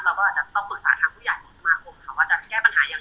เราก็อาจจะต้องปรึกษาทางผู้ใหญ่ของสมาคมค่ะว่าจะแก้ปัญหายังไง